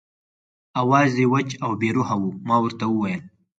آواز یې وچ او بې روحه و، ما ورته وویل.